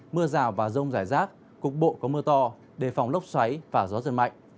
mưa rào và rông rải rác cục bộ có mưa to đề phòng lốc xoáy và gió giật mạnh